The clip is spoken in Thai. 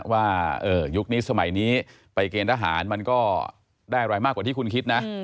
ยุคนี้สมัยนี้ไปเกณฑ์ทหารมันก็ได้อะไรมากกว่าที่คุณคิดนะ